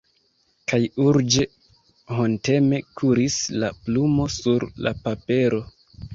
Kaj urĝe, honteme kuris la plumo sur la papero.